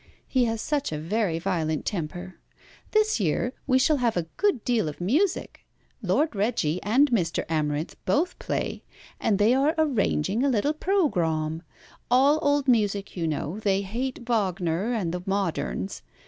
He has such a very violent temper. This year we shall have a good deal of music. Lord Reggie and Mr. Amarinth both play, and they are arranging a little programme. All old music, you know. They hate Wagner and the moderns.